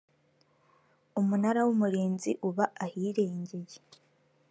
umunara w umurinzi uba ahirengeye